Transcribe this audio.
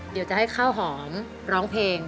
เดี๋ยวจะให้ข้าวหอมร้องเพลง